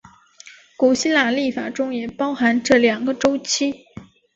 古希腊历法中也包含这两个周期。